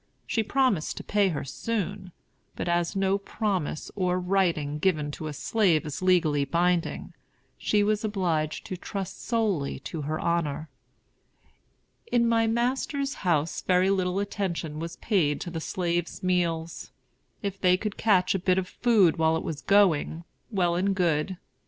She promised to pay her soon; but as no promise or writing given to a slave is legally binding, she was obliged to trust solely to her honor. In my master's house very little attention was paid to the slaves' meals. If they could catch a bit of food while it was going, well and good.